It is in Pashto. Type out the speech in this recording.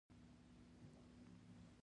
غیرجهادي سلفیان دي.